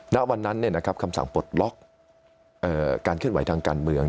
ณวันนั้นคำสั่งปลดล็อกการเคลื่อนไหวทางการเมือง